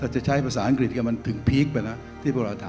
จะใช้ภาษาอังกฤษกับมันถึงพีคไปแล้วที่พวกเราทำ